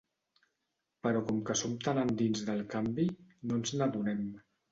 Però com que som tan endins del canvi, no ens n’adonem.